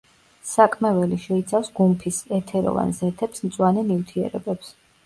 საკმეველი შეიცავს გუმფისს, ეთეროვან ზეთებს, მწვანე ნივთიერებებს.